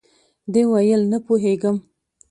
ده ویل، نه پوهېږم.